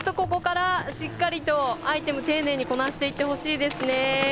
ここからしっかりとアイテム、丁寧にこなしていってほしいですね。